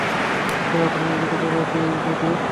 কেউ আপনাকে গুলি করে দেয় যদি?